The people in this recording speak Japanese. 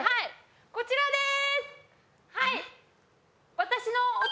こちらです。